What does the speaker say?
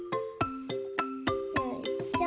よいしょ。